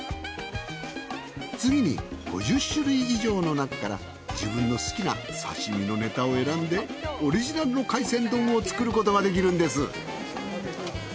次に５０種類以上の中から自分の好きな刺身のネタを選んでオリジナルの海鮮丼を作ることができるんです